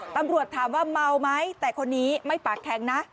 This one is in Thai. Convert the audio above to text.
ตำรวจถามว่าเมาไหมแต่คนนี้ไม่ปากแข็งนะ